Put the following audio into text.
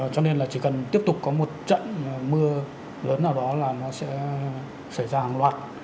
cho nên là chỉ cần tiếp tục có một trận mưa lớn nào đó là nó sẽ xảy ra hàng loạt